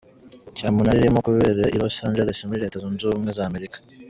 cyamunara irimo kubera i Los Angeles, muri Leta zunze ubumwe za Amerika.